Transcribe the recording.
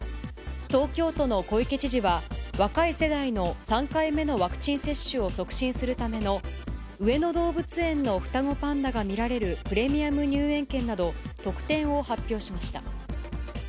東京都の小池知事は、若い世代の３回目のワクチン接種を促進するための上野動物園の双子パンダが見られるプレミアム入園券など、特典を発表しました。